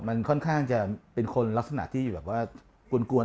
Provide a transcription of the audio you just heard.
มันค่อนข้างจะเป็นคนลักษณะที่แบบว่ากวน